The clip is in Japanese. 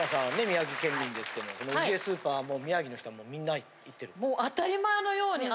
宮城県民ですけどウジエスーパーはもう宮城の人はみんな行ってる？